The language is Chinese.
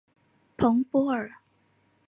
蓬波尔。